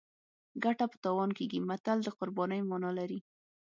ګټه په تاوان کیږي متل د قربانۍ مانا لري